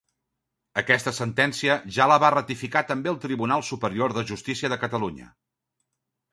Aquesta sentència ja la va ratificar també el Tribunal Superior de Justícia de Catalunya.